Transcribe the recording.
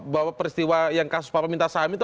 bahwa peristiwa yang kasus papa minta saham itu